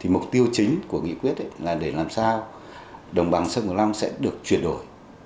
mục tiêu chính của nghị quyết là để làm sao đồng bằng sông cửu long sẽ được chuyển đổi